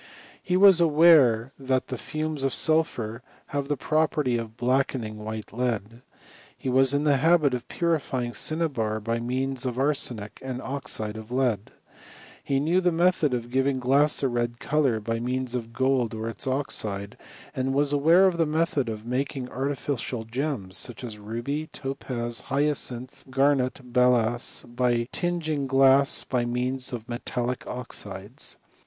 He was aware that the fumes of sulphur have the property of blackening white lead. He was in the nabit of purifying cinnabar by means of arsenic and oxide of lead. He knew the method of giving glass ft red colour by means of gold or its oxide, and wilt aware of the method of making artificial gems, soctr> as ruby, topaz, hyacinth, garnet, balass, by tingini^ glass by means of metallic oxides.